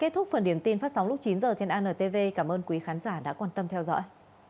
kết thúc phần điểm tin phát sóng lúc chín h trên antv cảm ơn quý khán giả đã quan tâm theo dõi